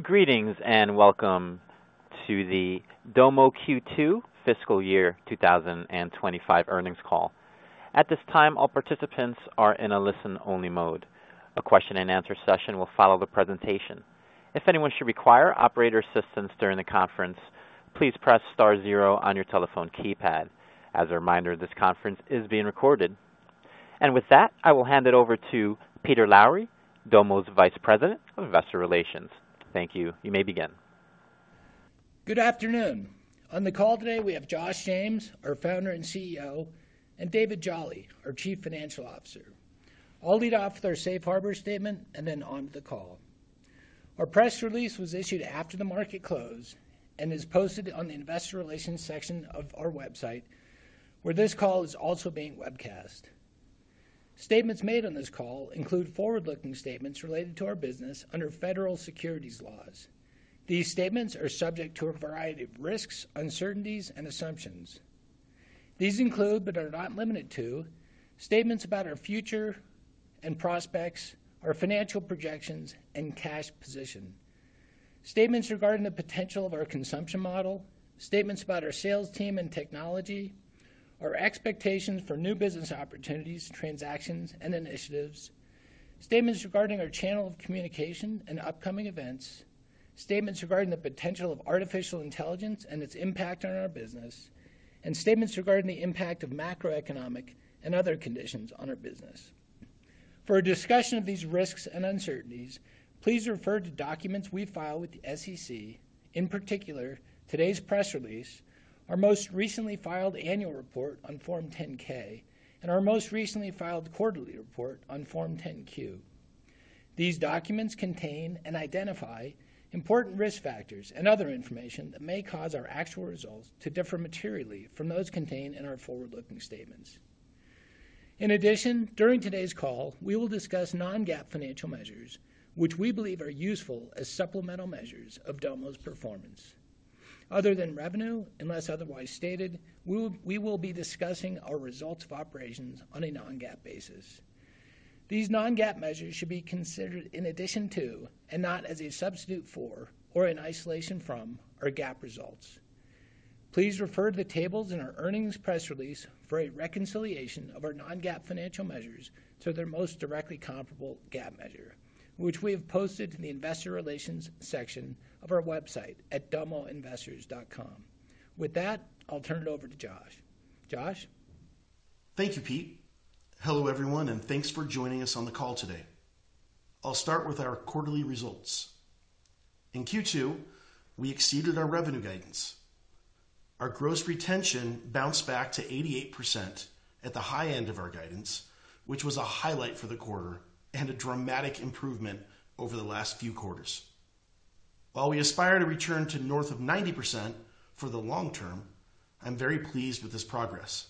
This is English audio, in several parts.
Greetings, and welcome to the Domo Q2 fiscal year two thousand and twenty-five earnings call. At this time, all participants are in a listen-only mode. A question and answer session will follow the presentation. If anyone should require operator assistance during the conference, please press star zero on your telephone keypad. As a reminder, this conference is being recorded. And with that, I will hand it over to Peter Lowry, Domo's Vice President of Investor Relations. Thank you. You may begin. Good afternoon. On the call today, we have Josh James, our founder and CEO, and David Jolley, our Chief Financial Officer. I'll lead off with our Safe Harbor statement and then on to the call. Our press release was issued after the market closed and is posted on the investor relations section of our website, where this call is also being webcast. Statements made on this call include forward-looking statements related to our business under federal securities laws. These statements are subject to a variety of risks, uncertainties, and assumptions. These include, but are not limited to, statements about our future and prospects, our financial projections and cash position, statements regarding the potential of our consumption model, statements about our sales team and technology, our expectations for new business opportunities, transactions, and initiatives, statements regarding our channel of communication and upcoming events, statements regarding the potential of artificial intelligence and its impact on our business, and statements regarding the impact of macroeconomic and other conditions on our business. For a discussion of these risks and uncertainties, please refer to documents we filed with the SEC, in particular, today's press release, our most recently filed annual report on Form 10-K, and our most recently filed quarterly report on Form 10-Q. These documents contain and identify important risk factors and other information that may cause our actual results to differ materially from those contained in our forward-looking statements. In addition, during today's call, we will discuss non-GAAP financial measures, which we believe are useful as supplemental measures of Domo's performance. Other than revenue, unless otherwise stated, we will be discussing our results of operations on a non-GAAP basis. These non-GAAP measures should be considered in addition to, and not as a substitute for, or in isolation from, our GAAP results. Please refer to the tables in our earnings press release for a reconciliation of our non-GAAP financial measures to their most directly comparable GAAP measure, which we have posted in the investor relations section of our website at domoinvestors.com. With that, I'll turn it over to Josh. Josh? Thank you, Pete. Hello, everyone, and thanks for joining us on the call today. I'll start with our quarterly results. In Q2, we exceeded our revenue guidance. Our gross retention bounced back to 88% at the high end of our guidance, which was a highlight for the quarter and a dramatic improvement over the last few quarters. While we aspire to return to north of 90% for the long term, I'm very pleased with this progress.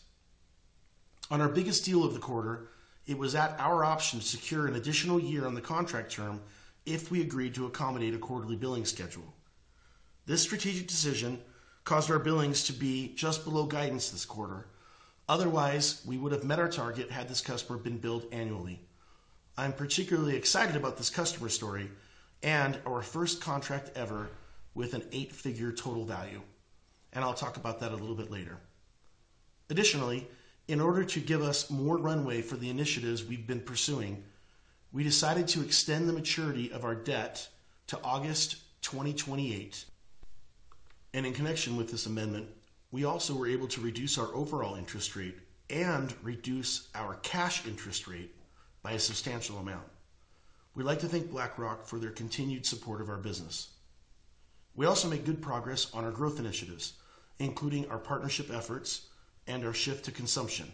On our biggest deal of the quarter, it was at our option to secure an additional year on the contract term if we agreed to accommodate a quarterly billing schedule. This strategic decision caused our billings to be just below guidance this quarter. Otherwise, we would have met our target had this customer been billed annually. I'm particularly excited about this customer story and our first contract ever with an eight-figure total value, and I'll talk about that a little bit later. Additionally, in order to give us more runway for the initiatives we've been pursuing, we decided to extend the maturity of our debt to August 2028, and in connection with this amendment, we also were able to reduce our overall interest rate and reduce our cash interest rate by a substantial amount. We'd like to thank BlackRock for their continued support of our business. We also made good progress on our growth initiatives, including our partnership efforts and our shift to consumption.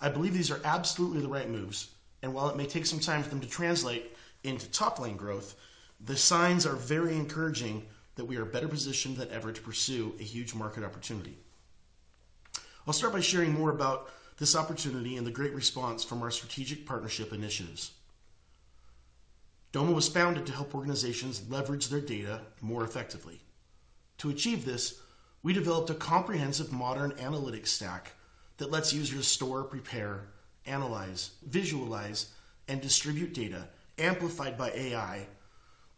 I believe these are absolutely the right moves, and while it may take some time for them to translate into top-line growth, the signs are very encouraging that we are better positioned than ever to pursue a huge market opportunity. I'll start by sharing more about this opportunity and the great response from our strategic partnership initiatives. Domo was founded to help organizations leverage their data more effectively. To achieve this, we developed a comprehensive modern analytics stack that lets users store, prepare, analyze, visualize, and distribute data amplified by AI,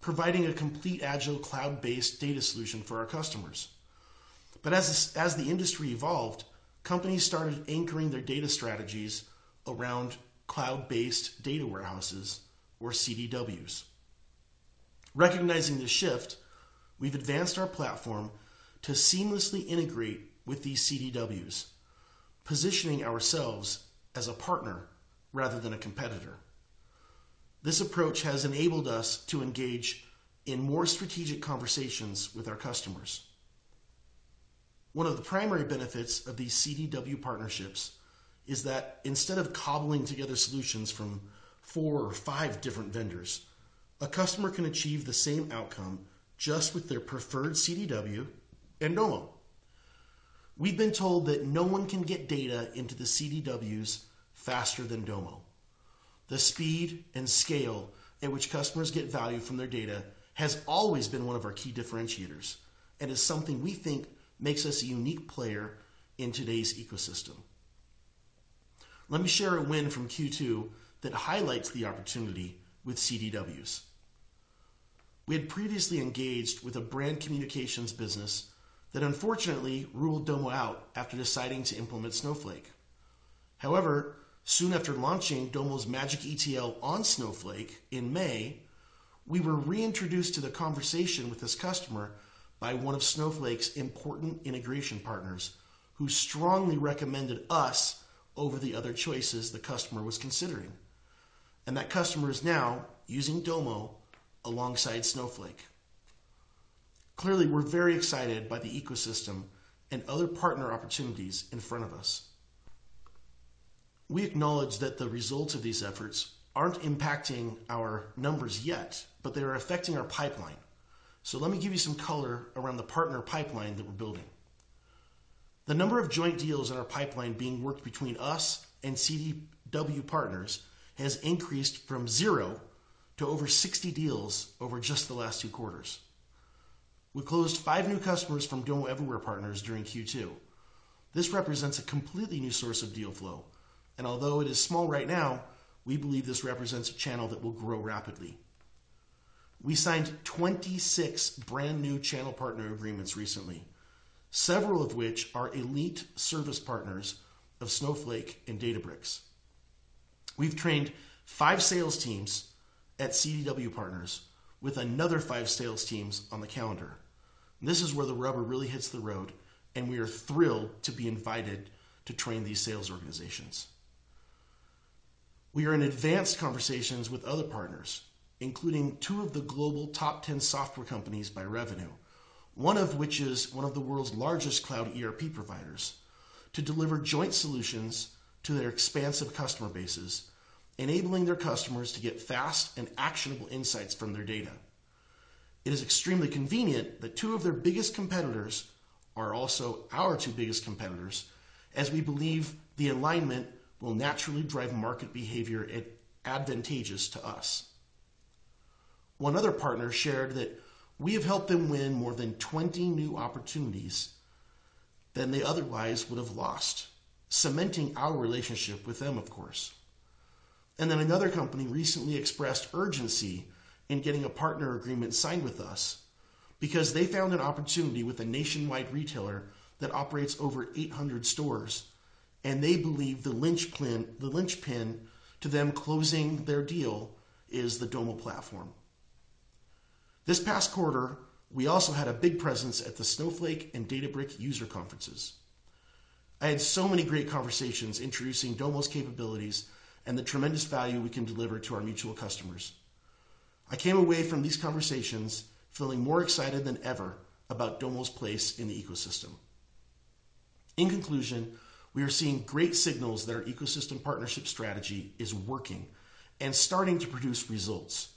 providing a complete agile, cloud-based data solution for our customers. But as the industry evolved, companies started anchoring their data strategies around cloud-based data warehouses or CDWs. Recognizing this shift, we've advanced our platform to seamlessly integrate with these CDWs, positioning ourselves as a partner rather than a competitor. This approach has enabled us to engage in more strategic conversations with our customers. One of the primary benefits of these CDW partnerships is that instead of cobbling together solutions from four or five different vendors, a customer can achieve the same outcome just with their preferred CDW and Domo. We've been told that no one can get data into the CDWs faster than Domo. The speed and scale at which customers get value from their data has always been one of our key differentiators and is something we think makes us a unique player in today's ecosystem. Let me share a win from Q2 that highlights the opportunity with CDWs. We had previously engaged with a brand communications business that unfortunately ruled Domo out after deciding to implement Snowflake. However, soon after launching Domo's Magic ETL on Snowflake in May, we were reintroduced to the conversation with this customer by one of Snowflake's important integration partners, who strongly recommended us over the other choices the customer was considering, and that customer is now using Domo alongside Snowflake. Clearly, we're very excited by the ecosystem and other partner opportunities in front of us. We acknowledge that the results of these efforts aren't impacting our numbers yet, but they are affecting our pipeline. So let me give you some color around the partner pipeline that we're building. The number of joint deals in our pipeline being worked between us and CDW partners has increased from zero to over 60 deals over just the last two quarters. We closed five new customers from Domo Everywhere partners during Q2. This represents a completely new source of deal flow, and although it is small right now, we believe this represents a channel that will grow rapidly. We signed 26 brand new channel partner agreements recently, several of which are elite service partners of Snowflake and Databricks. We've trained five sales teams at CDW partners, with another five sales teams on the calendar. This is where the rubber really hits the road, and we are thrilled to be invited to train these sales organizations. We are in advanced conversations with other partners, including two of the global top ten software companies by revenue, one of which is one of the world's largest cloud ERP providers, to deliver joint solutions to their expansive customer bases, enabling their customers to get fast and actionable insights from their data. It is extremely convenient that two of their biggest competitors are also our two biggest competitors, as we believe the alignment will naturally drive market behavior advantageous to us. One other partner shared that we have helped them win more than twenty new opportunities than they otherwise would have lost, cementing our relationship with them, of course. Then another company recently expressed urgency in getting a partner agreement signed with us because they found an opportunity with a nationwide retailer that operates over eight hundred stores, and they believe the linchpin to them closing their deal is the Domo platform. This past quarter, we also had a big presence at the Snowflake and Databricks user conferences. I had so many great conversations introducing Domo's capabilities and the tremendous value we can deliver to our mutual customers. I came away from these conversations feeling more excited than ever about Domo's place in the ecosystem. In conclusion, we are seeing great signals that our ecosystem partnership strategy is working and starting to produce results.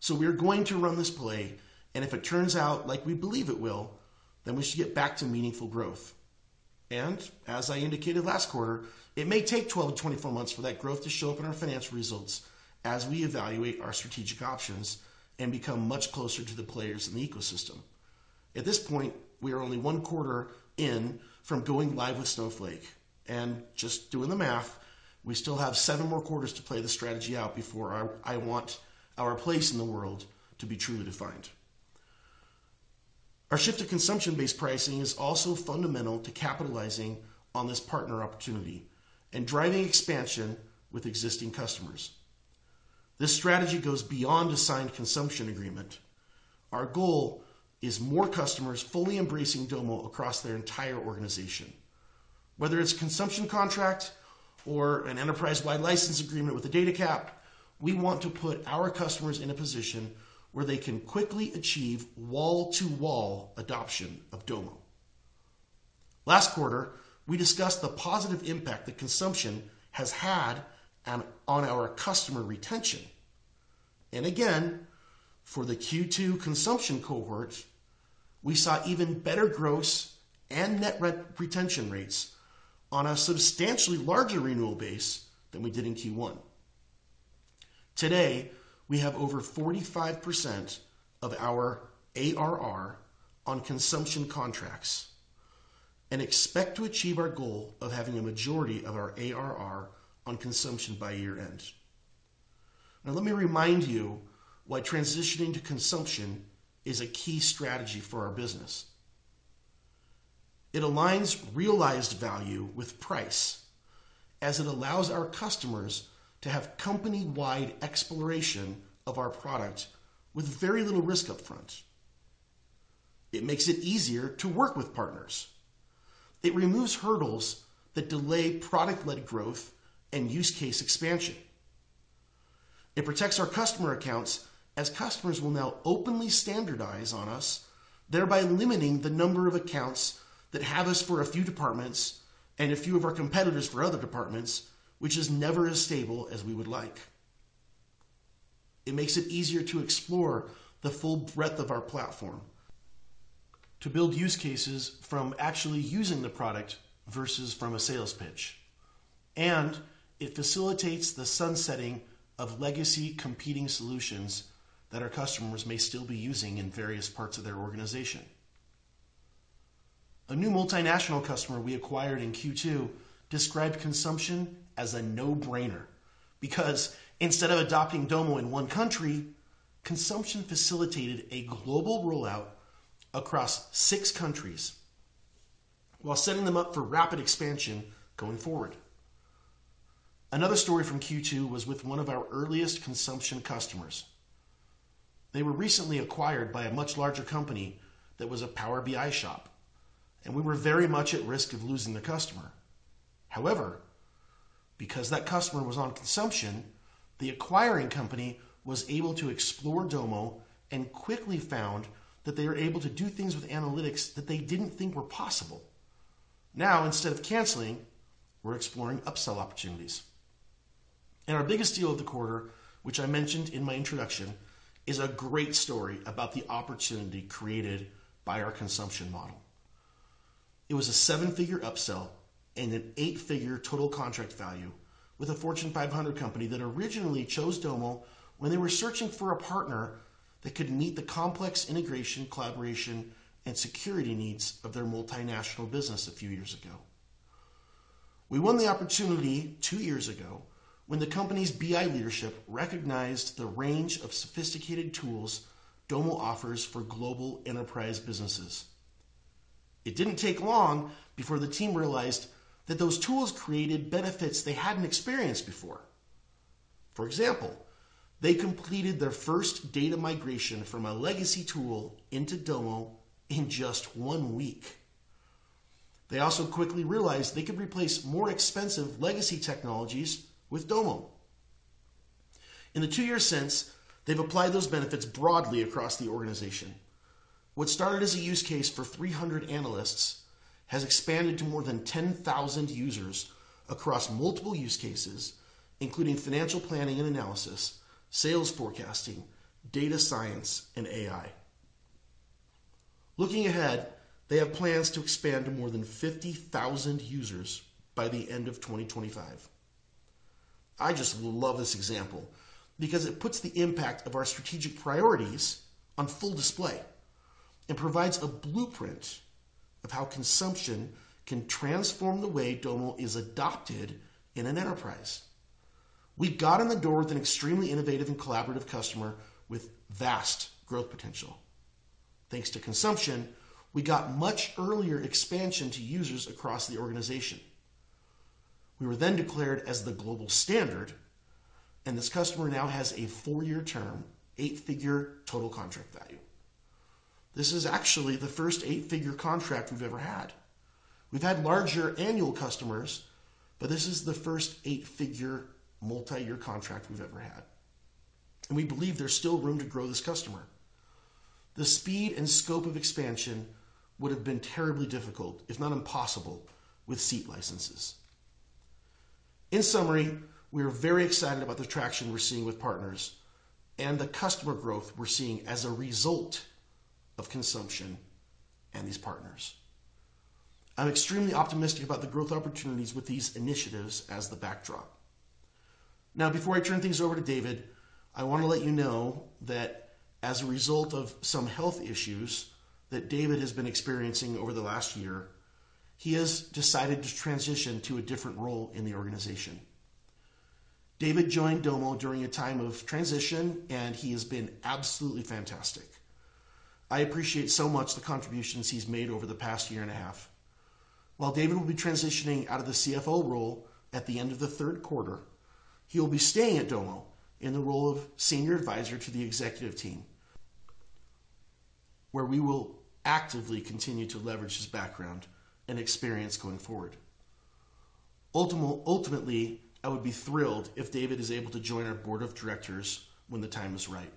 So we are going to run this play, and if it turns out like we believe it will, then we should get back to meaningful growth. And as I indicated last quarter, it may take 12 to 24 months for that growth to show up in our financial results as we evaluate our strategic options and become much closer to the players in the ecosystem. At this point, we are only one quarter in from going live with Snowflake, and just doing the math, we still have seven more quarters to play the strategy out before I want our place in the world to be truly defined. Our shift to consumption-based pricing is also fundamental to capitalizing on this partner opportunity and driving expansion with existing customers. This strategy goes beyond a signed consumption agreement. Our goal is more customers fully embracing Domo across their entire organization. Whether it's consumption contract or an enterprise-wide license agreement with a data cap, we want to put our customers in a position where they can quickly achieve wall-to-wall adoption of Domo. Last quarter, we discussed the positive impact that consumption has had on our customer retention. And again, for the Q2 consumption cohort, we saw even better gross and net retention rates on a substantially larger renewal base than we did in Q1. Today, we have over 45% of our ARR on consumption contracts and expect to achieve our goal of having a majority of our ARR on consumption by year-end. Now, let me remind you why transitioning to consumption is a key strategy for our business. It aligns realized value with price as it allows our customers to have company-wide exploration of our product with very little risk upfront. It makes it easier to work with partners. It removes hurdles that delay product-led growth and use case expansion. It protects our customer accounts as customers will now openly standardize on us, thereby limiting the number of accounts that have us for a few departments and a few of our competitors for other departments, which is never as stable as we would like. It makes it easier to explore the full breadth of our platform, to build use cases from actually using the product versus from a sales pitch. And it facilitates the sunsetting of legacy competing solutions that our customers may still be using in various parts of their organization. A new multinational customer we acquired in Q2 described consumption as a no-brainer because instead of adopting Domo in one country, consumption facilitated a global rollout across six countries while setting them up for rapid expansion going forward. Another story from Q2 was with one of our earliest consumption customers. They were recently acquired by a much larger company that was a Power BI shop, and we were very much at risk of losing the customer. However, because that customer was on consumption, the acquiring company was able to explore Domo and quickly found that they were able to do things with analytics that they didn't think were possible. Now, instead of canceling, we're exploring upsell opportunities, and our biggest deal of the quarter, which I mentioned in my introduction, is a great story about the opportunity created by our consumption model. It was a seven-figure upsell and an eight-figure total contract value with a Fortune 500 company that originally chose Domo when they were searching for a partner that could meet the complex integration, collaboration, and security needs of their multinational business a few years ago. We won the opportunity two years ago when the company's BI leadership recognized the range of sophisticated tools Domo offers for global enterprise businesses. It didn't take long before the team realized that those tools created benefits they hadn't experienced before. For example, they completed their first data migration from a legacy tool into Domo in just one week. They also quickly realized they could replace more expensive legacy technologies with Domo. In the two years since, they've applied those benefits broadly across the organization. What started as a use case for 300 analysts has expanded to more than 10,000 users across multiple use cases, including financial planning and analysis, sales forecasting, data science, and AI. Looking ahead, they have plans to expand to more than 50,000 users by the end of 2025. I just love this example because it puts the impact of our strategic priorities on full display and provides a blueprint of how consumption can transform the way Domo is adopted in an enterprise. We got in the door with an extremely innovative and collaborative customer with vast growth potential. Thanks to consumption, we got much earlier expansion to users across the organization. We were then declared as the global standard, and this customer now has a four-year term, eight-figure total contract value. This is actually the first eight-figure contract we've ever had. We've had larger annual customers, but this is the first eight-figure, multi-year contract we've ever had, and we believe there's still room to grow this customer. The speed and scope of expansion would have been terribly difficult, if not impossible, with seat licenses. In summary, we are very excited about the traction we're seeing with partners and the customer growth we're seeing as a result of consumption and these partners. I'm extremely optimistic about the growth opportunities with these initiatives as the backdrop. Now, before I turn things over to David, I want to let you know that as a result of some health issues that David has been experiencing over the last year, he has decided to transition to a different role in the organization. David joined Domo during a time of transition, and he has been absolutely fantastic. I appreciate so much the contributions he's made over the past year and a half. While David will be transitioning out of the CFO role at the end of the third quarter, he will be staying at Domo in the role of senior advisor to the executive team, where we will actively continue to leverage his background and experience going forward. Ultimately, I would be thrilled if David is able to join our board of directors when the time is right.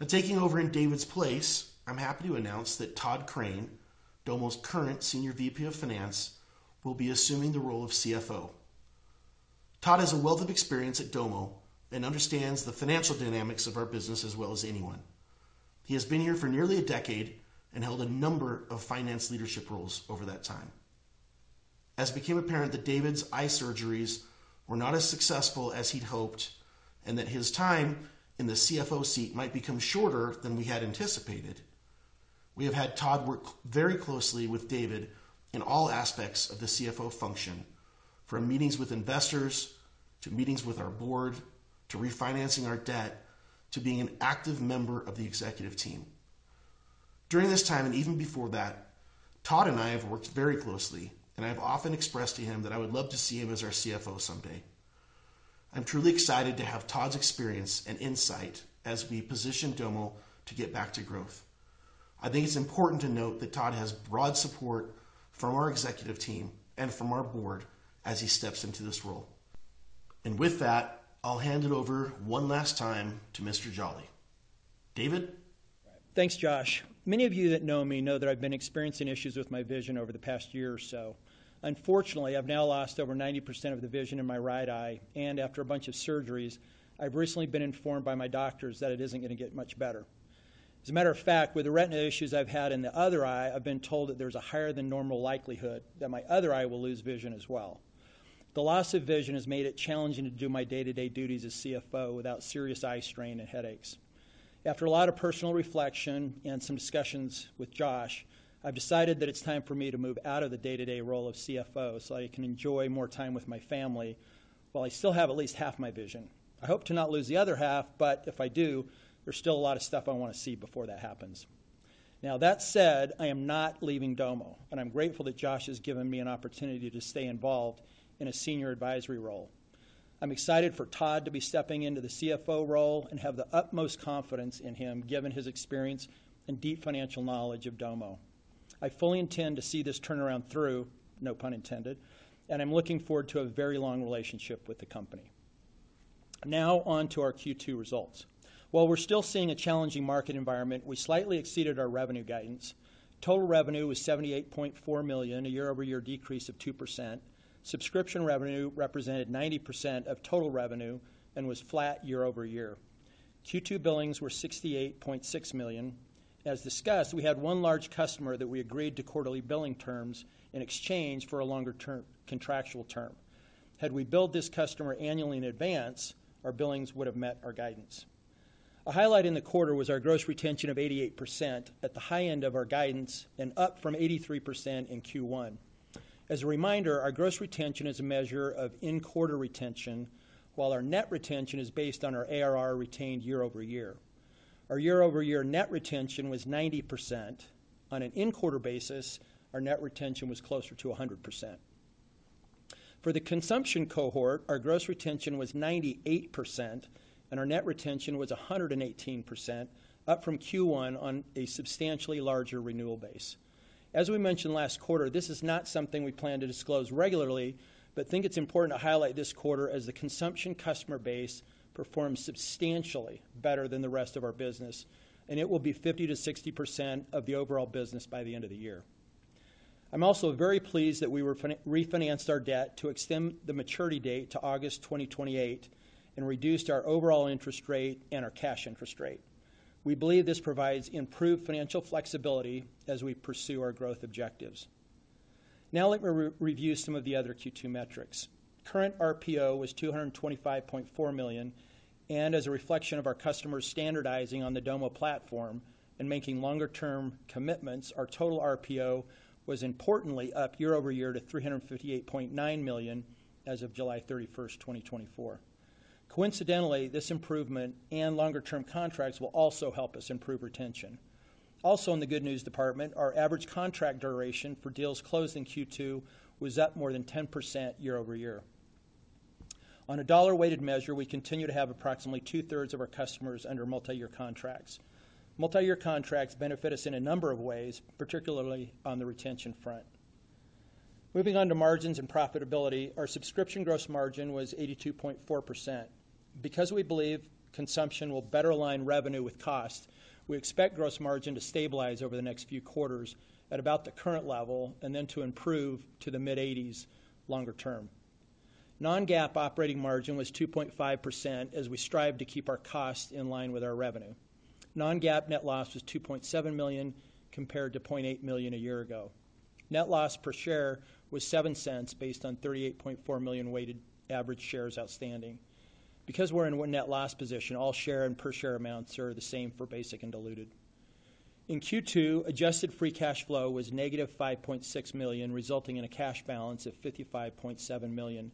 Now, taking over in David's place, I'm happy to announce that Tod Crane, Domo's current Senior VP of Finance, will be assuming the role of CFO. Tod has a wealth of experience at Domo and understands the financial dynamics of our business as well as anyone. He has been here for nearly a decade and held a number of finance leadership roles over that time. As it became apparent that David's eye surgeries were not as successful as he'd hoped, and that his time in the CFO seat might become shorter than we had anticipated, we have had Tod work very closely with David in all aspects of the CFO function, from meetings with investors to meetings with our board, to refinancing our debt, to being an active member of the executive team. During this time, and even before that, Tod and I have worked very closely, and I have often expressed to him that I would love to see him as our CFO someday. I'm truly excited to have Tod's experience and insight as we position Domo to get back to growth. I think it's important to note that Tod has broad support from our executive team and from our board as he steps into this role. With that, I'll hand it over one last time to Mr. Jolley. David? Thanks, Josh. Many of you that know me know that I've been experiencing issues with my vision over the past year or so. Unfortunately, I've now lost over 90% of the vision in my right eye, and after a bunch of surgeries, I've recently been informed by my doctors that it isn't going to get much better. As a matter of fact, with the retina issues I've had in the other eye, I've been told that there's a higher than normal likelihood that my other eye will lose vision as well. The loss of vision has made it challenging to do my day-to-day duties as CFO without serious eye strain and headaches. After a lot of personal reflection and some discussions with Josh, I've decided that it's time for me to move out of the day-to-day role of CFO, so I can enjoy more time with my family while I still have at least half my vision. I hope to not lose the other half, but if I do, there's still a lot of stuff I want to see before that happens. Now, that said, I am not leaving Domo, and I'm grateful that Josh has given me an opportunity to stay involved in a senior advisory role. I'm excited for Tod to be stepping into the CFO role and have the utmost confidence in him, given his experience and deep financial knowledge of Domo. I fully intend to see this turnaround through, no pun intended, and I'm looking forward to a very long relationship with the company. Now, on to our Q2 results. While we're still seeing a challenging market environment, we slightly exceeded our revenue guidance. Total revenue was $78.4 million, a year-over-year decrease of 2%. Subscription revenue represented 90% of total revenue and was flat year over year. Q2 billings were $68.6 million. As discussed, we had one large customer that we agreed to quarterly billing terms in exchange for a longer-term contractual term. Had we billed this customer annually in advance, our billings would have met our guidance. A highlight in the quarter was our gross retention of 88% at the high end of our guidance and up from 83% in Q1. As a reminder, our gross retention is a measure of in-quarter retention, while our net retention is based on our ARR retained year over year. Our year-over-year net retention was 90%. On an in-quarter basis, our net retention was closer to 100%. For the consumption cohort, our gross retention was 98% and our net retention was 118%, up from Q1 on a substantially larger renewal base. As we mentioned last quarter, this is not something we plan to disclose regularly, but think it's important to highlight this quarter as the consumption customer base performs substantially better than the rest of our business, and it will be 50%-60% of the overall business by the end of the year. I'm also very pleased that we refinanced our debt to extend the maturity date to August 2028 and reduced our overall interest rate and our cash interest rate. We believe this provides improved financial flexibility as we pursue our growth objectives. Now, let me review some of the other Q2 metrics. Current RPO was $225.4 million, and as a reflection of our customers standardizing on the Domo platform and making longer-term commitments, our total RPO was importantly up year over year to $358.9 million as of July 31st, 2024. Coincidentally, this improvement and longer-term contracts will also help us improve retention. Also, in the good news department, our average contract duration for deals closed in Q2 was up more than 10% year over year. On a dollar-weighted measure, we continue to have approximately two-thirds of our customers under multi-year contracts. Multi-year contracts benefit us in a number of ways, particularly on the retention front. Moving on to margins and profitability. Our subscription gross margin was 82.4%. Because we believe consumption will better align revenue with cost, we expect gross margin to stabilize over the next few quarters at about the current level and then to improve to the mid-80s% longer term. Non-GAAP operating margin was 2.5%, as we strive to keep our costs in line with our revenue. Non-GAAP net loss was $2.7 million, compared to $0.8 million a year ago. Net loss per share was $0.07, based on 38.4 million weighted average shares outstanding. Because we're in one net loss position, all share and per share amounts are the same for basic and diluted. In Q2, adjusted free cash flow was -$5.6 million, resulting in a cash balance of $55.7 million.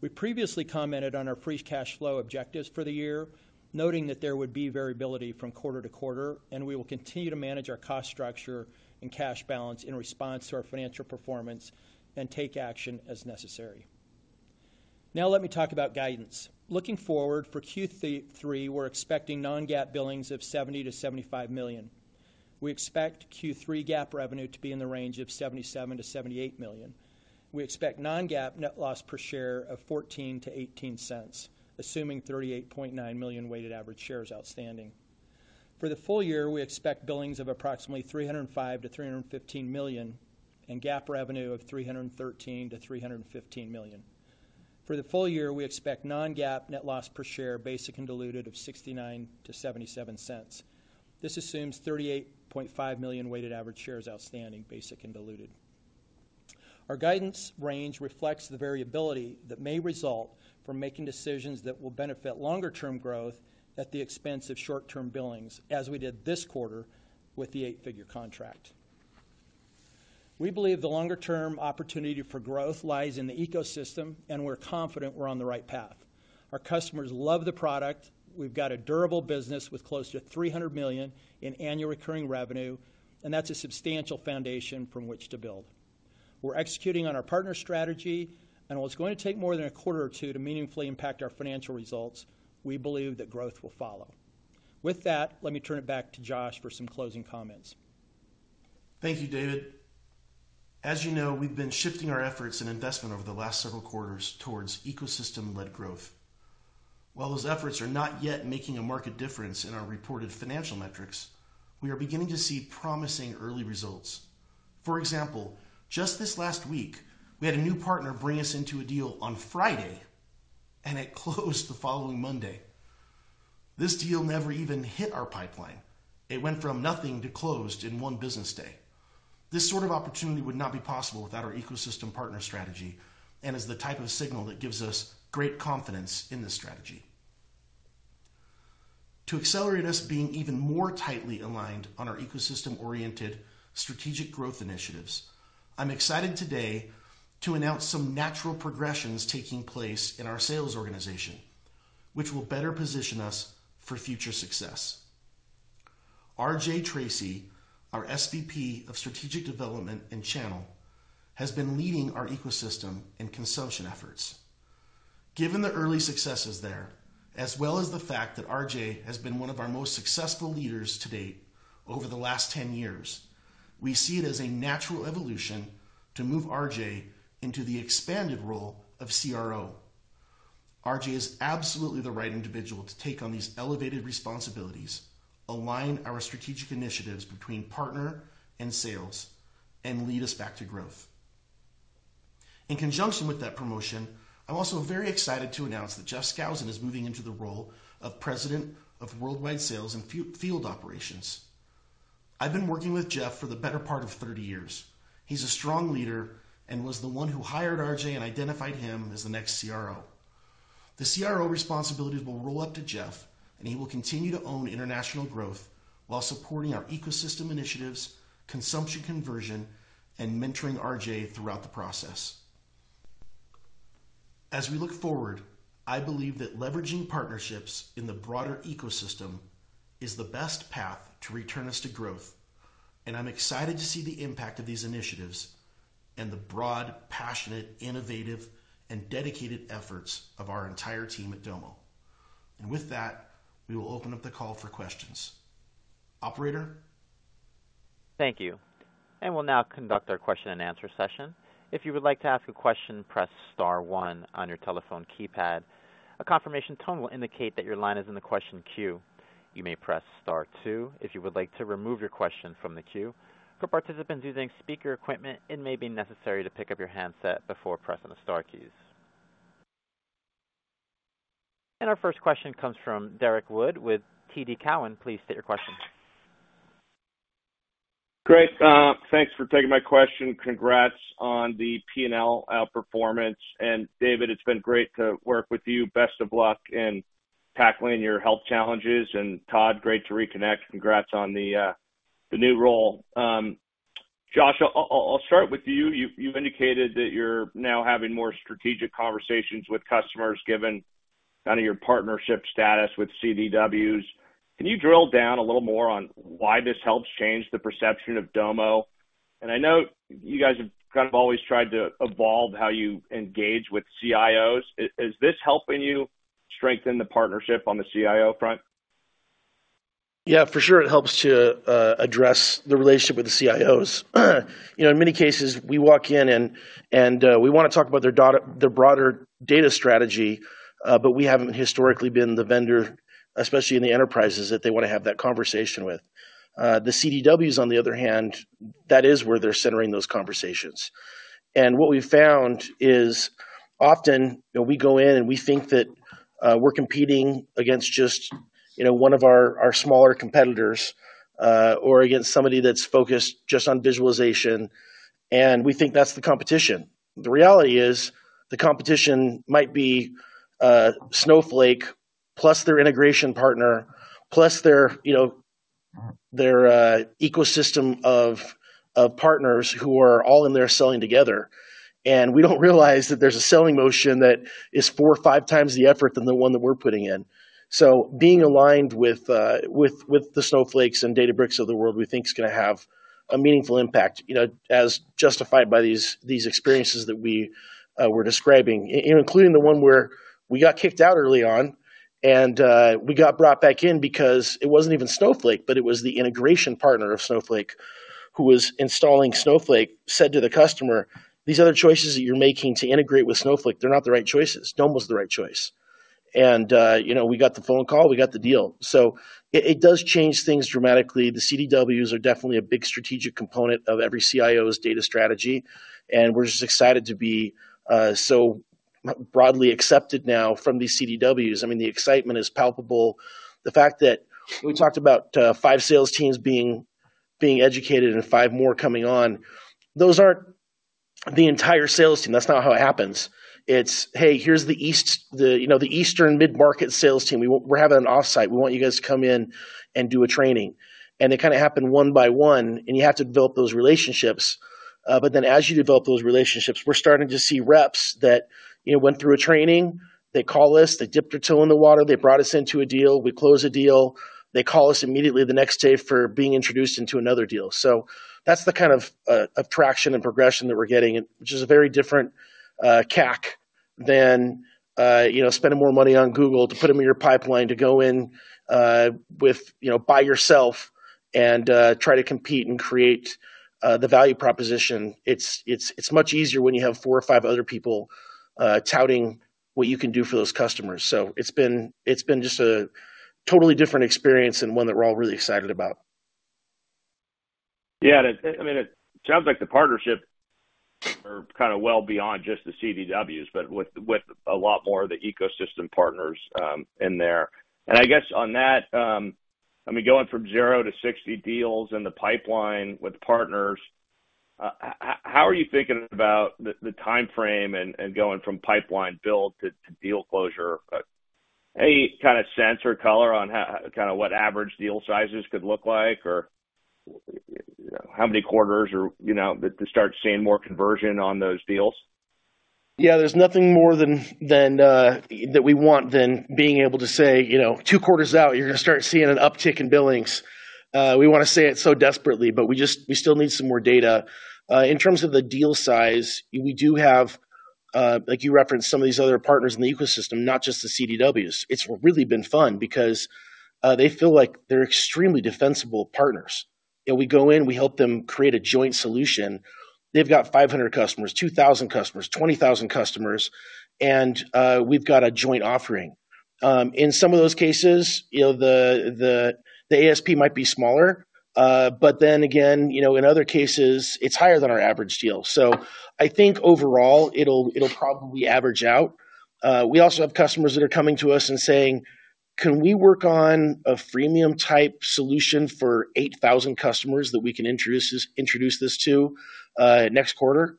We previously commented on our free cash flow objectives for the year, noting that there would be variability from quarter to quarter, and we will continue to manage our cost structure and cash balance in response to our financial performance and take action as necessary. Now, let me talk about guidance. Looking forward for Q3, we're expecting non-GAAP billings of $70 million-$75 million. We expect Q3 GAAP revenue to be in the range of $77 million-$78 million. We expect non-GAAP net loss per share of $0.14-$0.18, assuming 38.9 million weighted average shares outstanding. For the full year, we expect billings of approximately $305 million-$315 million, and GAAP revenue of $313 million-$315 million. For the full year, we expect non-GAAP net loss per share, basic and diluted, of $0.69-$0.77. This assumes 38.5 million weighted average shares outstanding, basic and diluted. Our guidance range reflects the variability that may result from making decisions that will benefit longer-term growth at the expense of short-term billings, as we did this quarter with the eight-figure contract. We believe the longer-term opportunity for growth lies in the ecosystem, and we're confident we're on the right path. Our customers love the product. We've got a durable business with close to $300 million in annual recurring revenue, and that's a substantial foundation from which to build. We're executing on our partner strategy, and while it's going to take more than a quarter or two to meaningfully impact our financial results, we believe that growth will follow. With that, let me turn it back to Josh for some closing comments. Thank you, David. As you know, we've been shifting our efforts and investment over the last several quarters towards ecosystem-led growth. While those efforts are not yet making a marked difference in our reported financial metrics, we are beginning to see promising early results. For example, just this last week, we had a new partner bring us into a deal on Friday, and it closed the following Monday. This deal never even hit our pipeline. It went from nothing to closed in one business day. This sort of opportunity would not be possible without our ecosystem partner strategy, and is the type of signal that gives us great confidence in this strategy. To accelerate us being even more tightly aligned on our ecosystem-oriented strategic growth initiatives, I'm excited today to announce some natural progressions taking place in our sales organization, which will better position us for future success. RJ Tracy, our SVP of Strategic Development and Channel, has been leading our ecosystem and consumption efforts. Given the early successes there, as well as the fact that RJ has been one of our most successful leaders to date over the last ten years, we see it as a natural evolution to move RJ into the expanded role of CRO. RJ is absolutely the right individual to take on these elevated responsibilities, align our strategic initiatives between partner and sales, and lead us back to growth. In conjunction with that promotion, I'm also very excited to announce that Jeff Skousen is moving into the role of President of Worldwide Sales and Field Operations. I've been working with Jeff for the better part of thirty years. He's a strong leader and was the one who hired RJ and identified him as the next CRO. The CRO responsibilities will roll up to Jeff, and he will continue to own international growth while supporting our ecosystem initiatives, consumption conversion, and mentoring RJ throughout the process. As we look forward, I believe that leveraging partnerships in the broader ecosystem is the best path to return us to growth, and I'm excited to see the impact of these initiatives and the broad, passionate, innovative, and dedicated efforts of our entire team at Domo, and with that, we will open up the call for questions. Operator? Thank you. We'll now conduct our question and answer session. If you would like to ask a question, press star one on your telephone keypad. A confirmation tone will indicate that your line is in the question queue. You may press star two if you would like to remove your question from the queue. For participants using speaker equipment, it may be necessary to pick up your handset before pressing the star keys. Our first question comes from Derek Wood with TD Cowen. Please state your question. Great, thanks for taking my question. Congrats on the P&L, performance. And, David, it's been great to work with you. Best of luck in tackling your health challenges. And, Tod, great to reconnect. Congrats on the, the new role. Josh, I'll start with you. You've indicated that you're now having more strategic conversations with customers, given kind of your partnership status with CDWs. Can you drill down a little more on why this helps change the perception of Domo? And I know you guys have kind of always tried to evolve how you engage with CIOs. Is this helping you strengthen the partnership on the CIO front? Yeah, for sure, it helps to address the relationship with the CIOs. You know, in many cases, we walk in and we wanna talk about their data, their broader data strategy, but we haven't historically been the vendor, especially in the enterprises, that they want to have that conversation with. The CDWs, on the other hand, that is where they're centering those conversations. And what we've found is, often, you know, we go in, and we think that we're competing against just, you know, one of our smaller competitors, or against somebody that's focused just on visualization, and we think that's the competition. The reality is, the competition might be Snowflake, plus their integration partner, plus their, you know, their ecosystem of partners who are all in there selling together. And we don't realize that there's a selling motion that is four or five times the effort than the one that we're putting in. So being aligned with the Snowflakes and Databricks of the world, we think is gonna have a meaningful impact, you know, as justified by these experiences that we were describing including the one where we got kicked out early on, and we got brought back in because it wasn't even Snowflake, but it was the integration partner of Snowflake, who was installing Snowflake, said to the customer, "These other choices that you're making to integrate with Snowflake, they're not the right choices. Domo's the right choice." And you know, we got the phone call, we got the deal. So it does change things dramatically. The CDWs are definitely a big strategic component of every CIO's data strategy, and we're just excited to be so broadly accepted now from these CDWs. I mean, the excitement is palpable. The fact that we talked about five sales teams being educated and five more coming on, those aren't the entire sales team. That's not how it happens. It's, "Hey, here's the Eastern mid-market sales team. We're having an off-site. We want you guys to come in and do a training." And it kind of happened one by one, and you have to build those relationships. But then as you develop those relationships, we're starting to see reps that, you know, went through a training. They call us, they dip their toe in the water, they brought us into a deal, we close the deal. They call us immediately the next day for being introduced into another deal. So that's the kind of attraction and progression that we're getting, which is a very different CAC than you know, spending more money on Google to put them in your pipeline, to go in with you know, by yourself and try to compete and create the value proposition. It's much easier when you have four or five other people touting what you can do for those customers. So it's been just a totally different experience, and one that we're all really excited about. ... Yeah, and it, I mean, it sounds like the partnership are kind of well beyond just the CDWs, but with, with a lot more of the ecosystem partners, in there. And I guess on that, I mean, going from zero to sixty deals in the pipeline with partners, how are you thinking about the timeframe and going from pipeline build to deal closure? Any kind of sense or color on kind of what average deal sizes could look like? Or, how many quarters or, you know, to start seeing more conversion on those deals? Yeah, there's nothing more than that we want than being able to say, you know, "Two quarters out, you're gonna start seeing an uptick in billings." We wanna say it so desperately, but we just, we still need some more data. In terms of the deal size, we do have, like you referenced, some of these other partners in the ecosystem, not just the CDWs. It's really been fun because they feel like they're extremely defensible partners. And we go in, we help them create a joint solution. They've got 500 customers, 2,000 customers, 20,000 customers, and we've got a joint offering. In some of those cases, you know, the ASP might be smaller, but then again, you know, in other cases it's higher than our average deal. So I think overall, it'll probably average out. We also have customers that are coming to us and saying: "Can we work on a freemium-type solution for eight thousand customers that we can introduce this to next quarter?"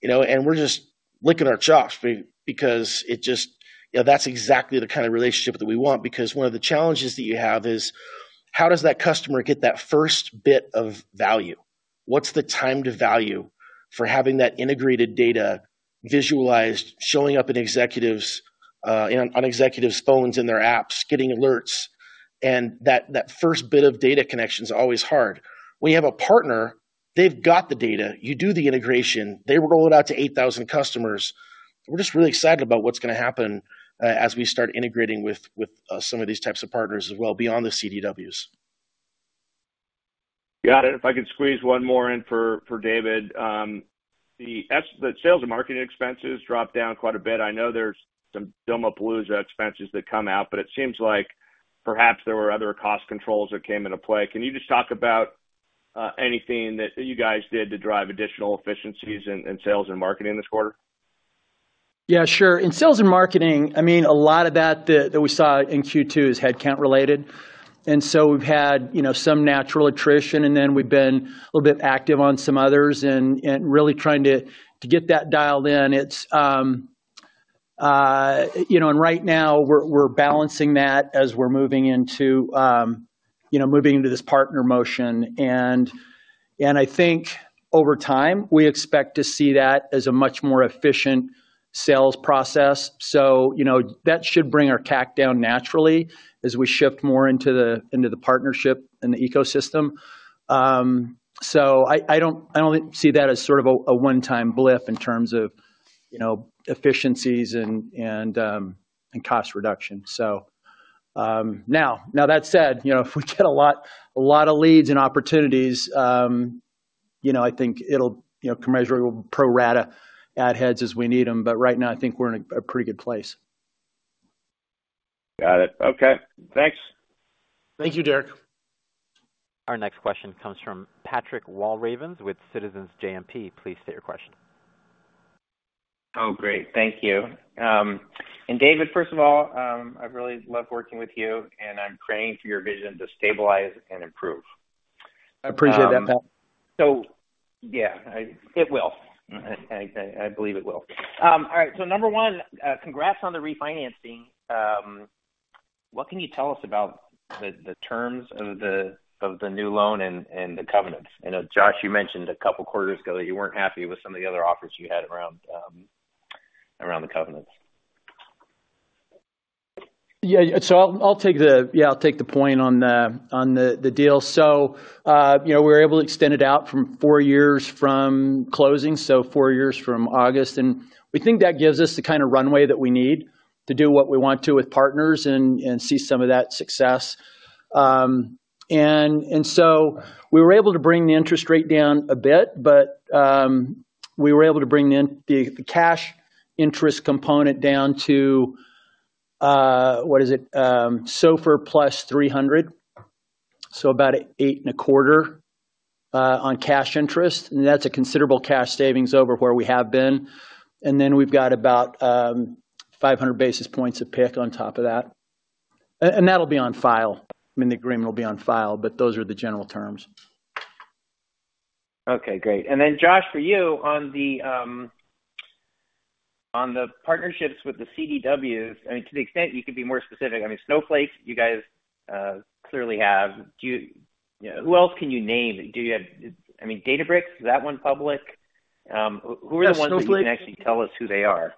You know, and we're just licking our chops because it just... You know, that's exactly the kind of relationship that we want, because one of the challenges that you have is: How does that customer get that first bit of value? What's the time to value for having that integrated data visualized, showing up in executives on executives' phones, in their apps, getting alerts, and that first bit of data connection is always hard. We have a partner, they've got the data, you do the integration, they roll it out to eight thousand customers. We're just really excited about what's gonna happen, as we start integrating with some of these types of partners as well, beyond the CDWs. Got it. If I could squeeze one more in for David. The sales and marketing expenses dropped down quite a bit. I know there's some Domopalooza expenses that come out, but it seems like perhaps there were other cost controls that came into play. Can you just talk about anything that you guys did to drive additional efficiencies in sales and marketing this quarter? Yeah, sure. In sales and marketing, I mean, a lot of that we saw in Q2 is headcount related. So we've had, you know, some natural attrition, and then we've been a little bit active on some others and really trying to get that dialed in. It's. You know, right now we're balancing that as we're moving into, you know, moving into this partner motion. I think over time, we expect to see that as a much more efficient sales process. So, you know, that should bring our CAC down naturally as we shift more into the partnership and the ecosystem. So I don't see that as sort of a one-time blip in terms of, you know, efficiencies and cost reduction. So, now that said, you know, if we get a lot of leads and opportunities, you know, I think it'll, you know, commensurately, we'll pro rata add heads as we need them. But right now, I think we're in a pretty good place. Got it. Okay, thanks. Thank you, Derek. Our next question comes from Patrick Walravens with Citizens JMP. Please state your question. Oh, great. Thank you, and David, first of all, I really love working with you, and I'm praying for your vision to stabilize and improve. I appreciate that, Pat. So, yeah, it will. I believe it will. All right, so number one, congrats on the refinancing. What can you tell us about the terms of the new loan and the covenants? I know, Josh, you mentioned a couple of quarters ago that you weren't happy with some of the other offers you had around the covenants. Yeah, so I'll take the point on the deal. So, you know, we were able to extend it out from four years from closing, so four years from August, and we think that gives us the kind of runway that we need to do what we want to with partners and see some of that success. And so we were able to bring the interest rate down a bit, but we were able to bring the cash interest component down to what is it? SOFR +300, so about 8.25% on cash interest, and that's a considerable cash savings over where we have been. And then we've got about 500 basis points of pick on top of that. That'll be on file, I mean, the agreement will be on file, but those are the general terms. Okay, great. And then, Josh, for you, on the partnerships with the CDWs, I mean, to the extent you can be more specific, I mean, Snowflake, you guys clearly have. Who else can you name? I mean, Databricks, is that one public? Who are the ones- Yeah, Snowflake- that you can actually tell us who they are?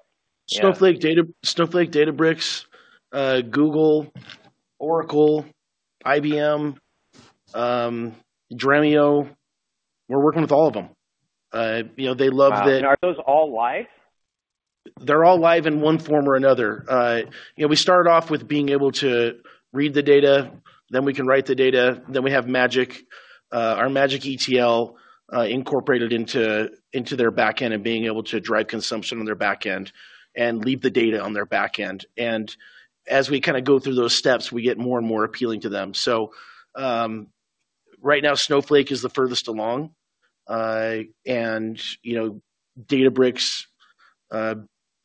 Snowflake, Snowflake, Databricks, Google, Oracle, IBM, Dremio. We're working with all of them. You know, they love the- Wow! And are those all live? They're all live in one form or another. You know, we started off with being able to read the data, then we can write the data, then we have Magic, our Magic ETL incorporated into their back end and being able to drive consumption on their back end, and leave the data on their back end. And as we kind of go through those steps, we get more and more appealing to them. So, right now, Snowflake is the furthest along. And, you know, Databricks,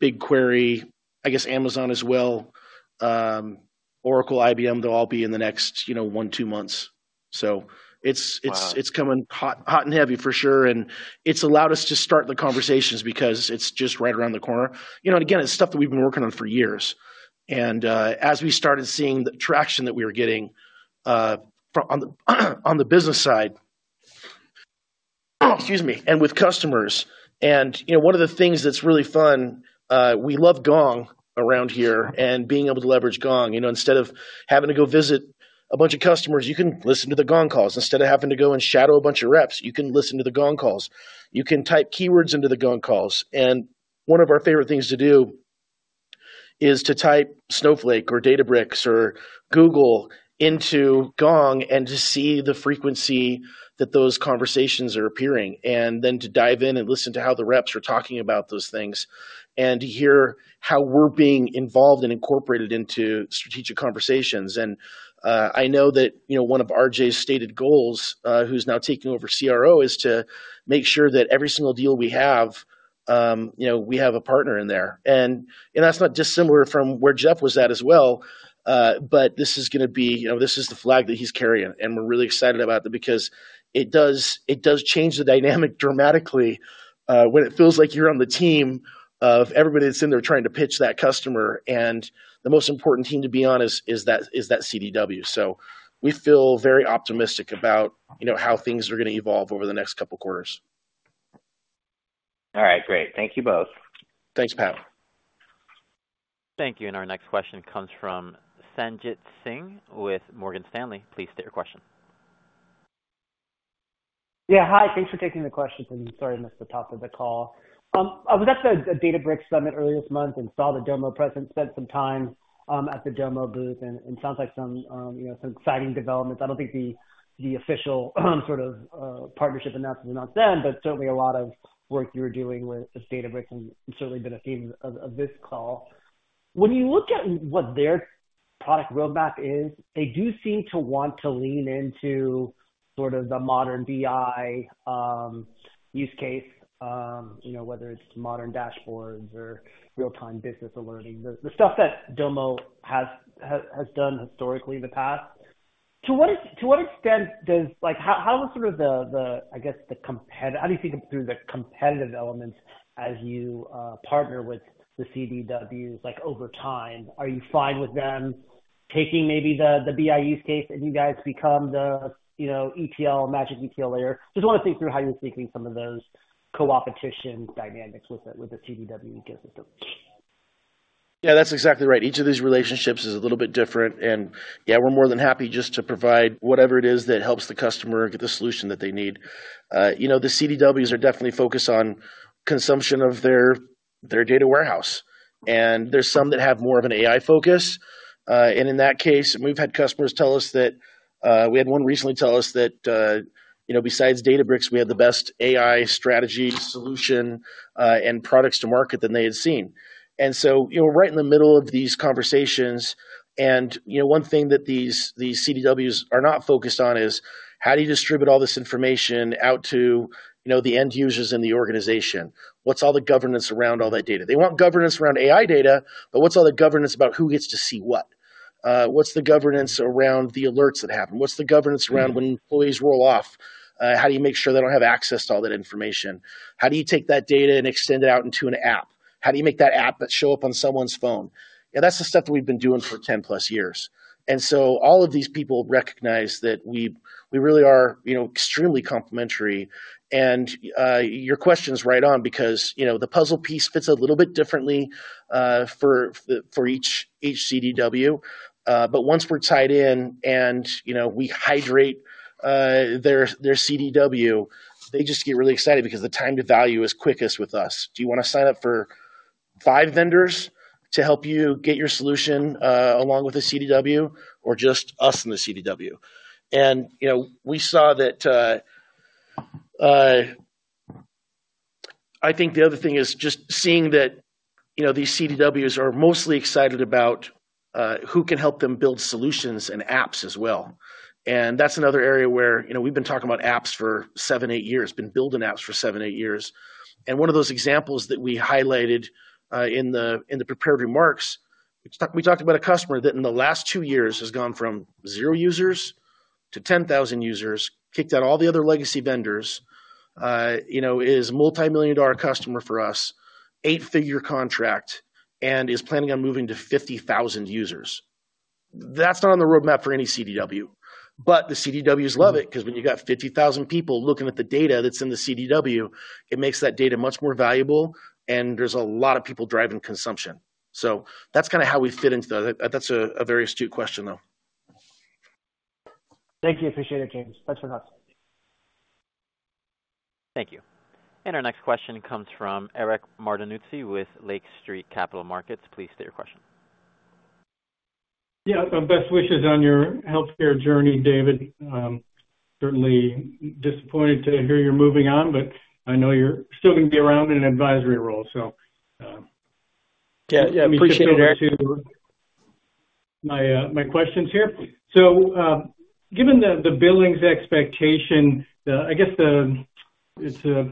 BigQuery, I guess Amazon as well, Oracle, IBM, they'll all be in the next, you know, one, two months. So it's- Wow! It's coming hot, hot and heavy for sure, and it's allowed us to start the conversations because it's just right around the corner. You know, and again, it's stuff that we've been working on for years. And as we started seeing the traction that we were getting from on the business side, excuse me, and with customers. And you know, one of the things that's really fun, we love Gong around here, and being able to leverage Gong. You know, instead of having to go visit a bunch of customers, you can listen to the Gong calls. Instead of having to go and shadow a bunch of reps, you can listen to the Gong calls. You can type keywords into the Gong calls, and one of our favorite things to do is to type Snowflake or Databricks or Google into Gong, and to see the frequency that those conversations are appearing, and then to dive in and listen to how the reps are talking about those things, and to hear how we're being involved and incorporated into strategic conversations. And, I know that, you know, one of RJ's stated goals, who's now taking over CRO, is to make sure that every single deal we have, you know, we have a partner in there. And, and that's not dissimilar from where Jeff was at as well, but this is gonna be... You know, this is the flag that he's carrying, and we're really excited about that because it does change the dynamic dramatically, when it feels like you're on the team of everybody that's in there trying to pitch that customer, and the most important team to be on is that CDW. So we feel very optimistic about, you know, how things are gonna evolve over the next couple of quarters. All right, great. Thank you both. Thanks, Pat. Thank you, and our next question comes from Sanjit Singh with Morgan Stanley. Please state your question. Yeah, hi. Thanks for taking the question, and sorry I missed the top of the call. I was actually at a Databricks summit earlier this month and saw the Domo presence, spent some time at the Domo booth and sounds like some you know some exciting developments. I don't think the official sort of partnership announcement was announced then, but certainly a lot of work you're doing with Databricks and certainly been a theme of this call. When you look at what their product roadmap is, they do seem to want to lean into sort of the modern BI use case you know whether it's modern dashboards or real-time business alerting, the stuff that Domo has done historically in the past. To what extent does... Like, how is sort of the, I guess, the competitive elements as you partner with the CDWs, like, over time? Are you fine with them taking maybe the BI use case, and you guys become the, you know, ETL, Magic ETL layer? Just want to think through how you're thinking some of those co-opetition dynamics with the CDW ecosystem. Yeah, that's exactly right. Each of these relationships is a little bit different, and, yeah, we're more than happy just to provide whatever it is that helps the customer get the solution that they need. You know, the CDWs are definitely focused on consumption of their data warehouse, and there's some that have more of an AI focus. And in that case, we've had customers tell us that, we had one recently tell us that, you know, besides Databricks, we had the best AI strategy solution, and products to market than they had seen. And so, you know, we're right in the middle of these conversations, and, you know, one thing that these CDWs are not focused on is: How do you distribute all this information out to, you know, the end users in the organization? What's all the governance around all that data? They want governance around AI data, but what's all the governance about who gets to see what? What's the governance around the alerts that happen? What's the governance around when employees roll off? How do you make sure they don't have access to all that information? How do you take that data and extend it out into an app? How do you make that app but show up on someone's phone? Yeah, that's the stuff that we've been doing for ten plus years. And so all of these people recognize that we really are, you know, extremely complementary. And your question is right on because, you know, the puzzle piece fits a little bit differently for each CDW. But once we're tied in and, you know, we hydrate their CDW, they just get really excited because the time to value is quickest with us. Do you want to sign up for five vendors to help you get your solution along with the CDW or just us and the CDW? And, you know, we saw that. I think the other thing is just seeing that, you know, these CDWs are mostly excited about who can help them build solutions and apps as well. And that's another area where, you know, we've been talking about apps for seven, eight years, been building apps for seven, eight years. One of those examples that we highlighted in the prepared remarks, we talked about a customer that in the last two years has gone from zero users to 10,000 users, kicked out all the other legacy vendors, you know, is a multimillion-dollar customer for us, eight-figure contract, and is planning on moving to 50,000 users. That's not on the roadmap for any CDW, but the CDWs love it, 'cause when you got 50,000 people looking at the data that's in the CDW, it makes that data much more valuable, and there's a lot of people driving consumption. That's kind of how we fit into that. That's a very astute question, though. Thank you. Appreciate it, James. Thanks for having me. Thank you. And our next question comes from Eric Martinuzzi, with Lake Street Capital Markets. Please state your question.... Yeah, best wishes on your healthcare journey, David. Certainly disappointed to hear you're moving on, but I know you're still gonna be around in an advisory role. So, Yeah, yeah, appreciate it, Eric. My, my questions here. So, given the billings expectation, I guess, it's a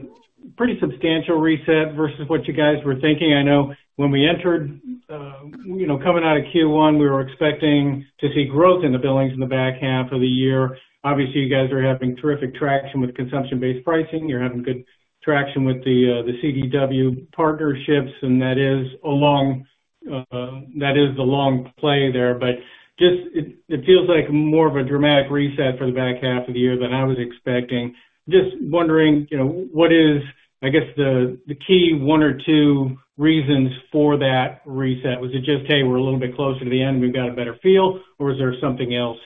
pretty substantial reset versus what you guys were thinking. I know when we entered, you know, coming out of Q1, we were expecting to see growth in the billings in the back half of the year. Obviously, you guys are having terrific traction with consumption-based pricing. You're having good traction with the CDW partnerships, and that is a long, that is the long play there. But it feels like more of a dramatic reset for the back half of the year than I was expecting. Just wondering, you know, what is, I guess, the key one or two reasons for that reset? Was it just, "Hey, we're a little bit closer to the end, we've got a better feel," or is there something else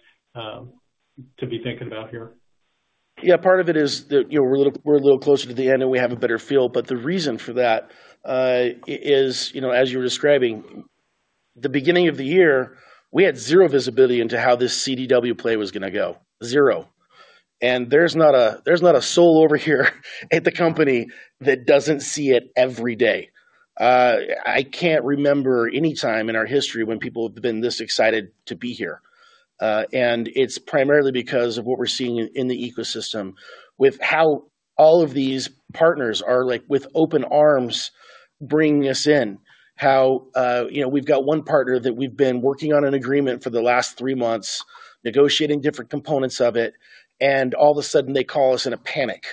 to be thinking about here? Yeah, part of it is that, you know, we're a little, we're a little closer to the end, and we have a better feel. But the reason for that, is, you know, as you were describing, the beginning of the year, we had zero visibility into how this CDW play was gonna go. Zero. And there's not a, there's not a soul over here at the company that doesn't see it every day. I can't remember any time in our history when people have been this excited to be here. And it's primarily because of what we're seeing in the ecosystem, with how all of these partners are like, with open arms, bringing us in. How, you know, we've got one partner that we've been working on an agreement for the last three months, negotiating different components of it, and all of a sudden, they call us in a panic,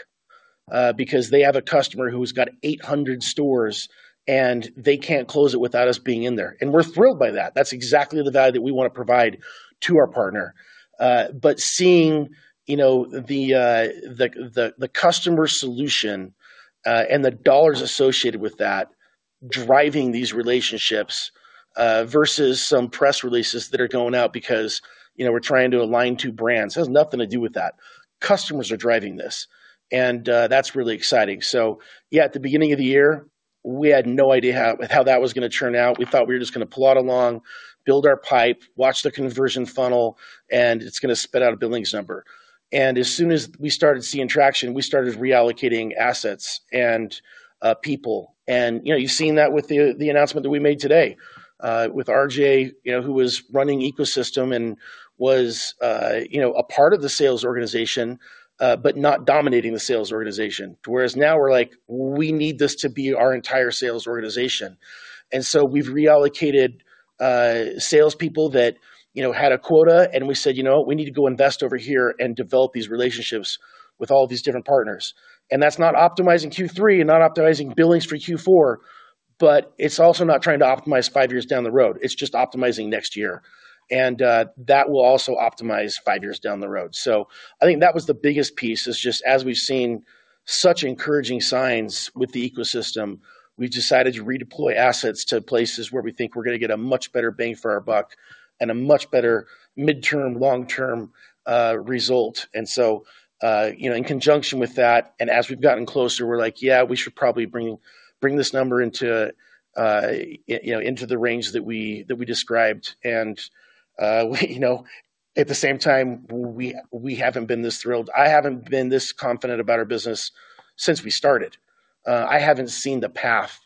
because they have a customer who's got eight hundred stores, and they can't close it without us being in there. And we're thrilled by that. That's exactly the value that we wanna provide to our partner. But seeing, you know, the customer solution, and the dollars associated with that, driving these relationships, versus some press releases that are going out because, you know, we're trying to align two brands. This has nothing to do with that. Customers are driving this, and that's really exciting. So yeah, at the beginning of the year, we had no idea how that was gonna turn out. We thought we were just gonna plod along, build our pipe, watch the conversion funnel, and it's gonna spit out a billings number. And as soon as we started seeing traction, we started reallocating assets and people. And, you know, you've seen that with the announcement that we made today with RJ, you know, who was running Ecosystem and was, you know, a part of the sales organization but not dominating the sales organization. Whereas now we're like, "We need this to be our entire sales organization." And so we've reallocated salespeople that, you know, had a quota, and we said: "You know, we need to go invest over here and develop these relationships with all these different partners." And that's not optimizing Q3 and not optimizing billings for Q4, but it's also not trying to optimize five years down the road. It's just optimizing next year. And that will also optimize five years down the road. So I think that was the biggest piece, is just as we've seen such encouraging signs with the ecosystem, we've decided to redeploy assets to places where we think we're gonna get a much better bang for our buck and a much better midterm, long-term result. And so, you know, in conjunction with that, and as we've gotten closer, we're like: "Yeah, we should probably bring this number into, you know, into the range that we described." And, you know, at the same time, we haven't been this thrilled. I haven't been this confident about our business since we started. I haven't seen the path.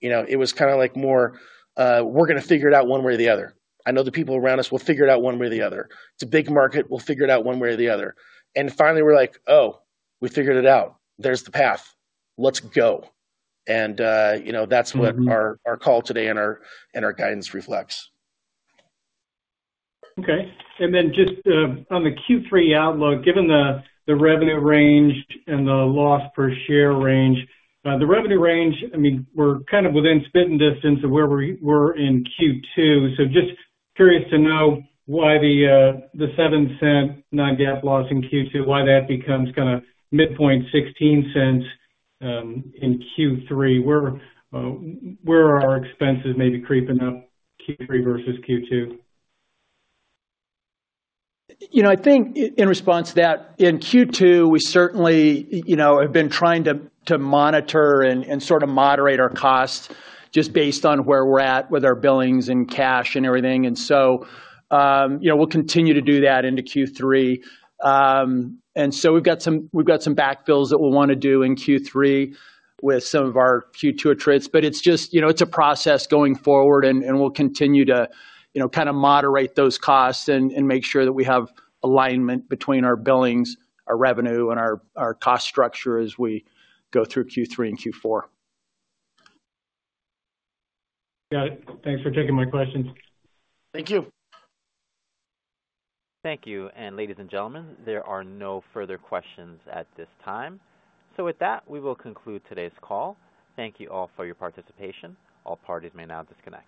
You know, it was kinda like more, we're gonna figure it out one way or the other. I know the people around us, we'll figure it out one way or the other. It's a big market, we'll figure it out one way or the other. And finally, we're like: "Oh, we figured it out. There's the path. Let's go." And, you know, that's what our call today and our guidance reflects. Okay. And then just on the Q3 outlook, given the revenue range and the loss per share range, the revenue range, I mean, we're kind of within spitting distance of where we were in Q2. So just curious to know why the $0.07 non-GAAP loss in Q2, why that becomes kinda midpoint $0.16 in Q3? Where are our expenses maybe creeping up, Q3 versus Q2? You know, I think in response to that, in Q2, we certainly, you know, have been trying to monitor and sort of moderate our costs just based on where we're at with our billings and cash and everything, and so you know, we'll continue to do that into Q3, and so we've got some backfills that we'll wanna do in Q3 with some of our Q2 attrits, but it's just... You know, it's a process going forward, and we'll continue to, you know, kind of moderate those costs and make sure that we have alignment between our billings, our revenue, and our cost structure as we go through Q3 and Q4. Got it. Thanks for taking my questions. Thank you. Thank you. And ladies and gentlemen, there are no further questions at this time. So with that, we will conclude today's call. Thank you all for your participation. All parties may now disconnect.